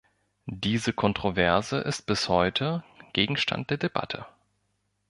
Diese Kontroverse ist bis heute Gegenstand der Debatte.